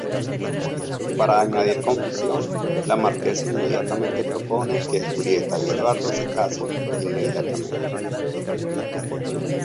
Para añadir confusión, la marquesa inmediatamente propone que Giulietta y Edoardo se casen inmediatamente.